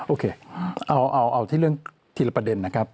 โอเคเอาที่เรื่องทีละประเด็นนะครับ